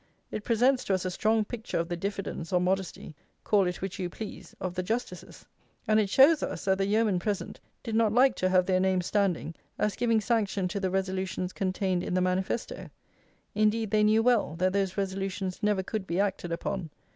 It presents to us a strong picture of the diffidence, or modesty (call it which you please) of the justices; and it shows us, that the yeomen present did not like to have their names standing as giving sanction to the resolutions contained in the manifesto. Indeed, they knew well, that those resolutions never could be acted upon.